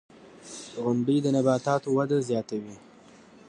• غونډۍ د نباتاتو وده زیاتوي.